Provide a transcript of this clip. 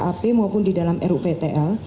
ap maupun di dalam ruptl